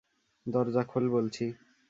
দরজা খোল বলছি।